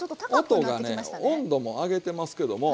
音がね温度も上げてますけども。